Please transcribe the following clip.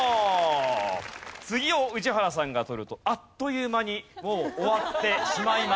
次を宇治原さんが取るとあっという間にもう終わってしまいます。